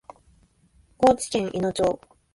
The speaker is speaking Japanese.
高知県いの町